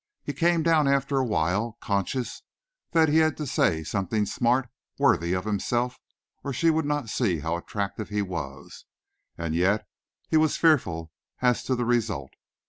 He came down after a while, conscious that he had to say something smart, worthy of himself, or she would not see how attractive he was; and yet he was fearful as to the result.